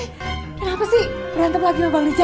kenapa sih berantem lagi sama bang rizal